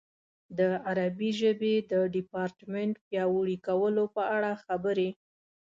د عربي ژبې د ډیپارټمنټ پیاوړي کولو په اړه خبرې.